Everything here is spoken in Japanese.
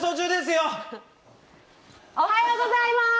おはようございます！